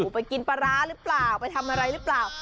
ไปกินปลาร้าหรือเปล่าไปทำอะไรหรือเปล่า